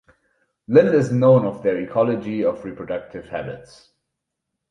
Little is known of their ecology or reproductive habits.